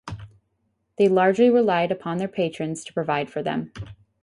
They largely relied upon their patrons to provide for them.